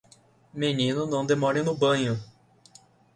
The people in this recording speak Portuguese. Menino não demore no banho!